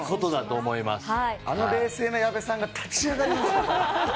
あの冷静な矢部さんが立ち上がりましたからね。